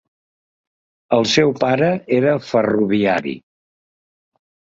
El seu pare era ferroviari.